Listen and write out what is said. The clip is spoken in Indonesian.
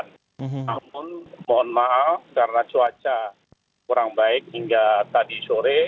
namun mohon maaf karena cuaca kurang baik hingga tadi sore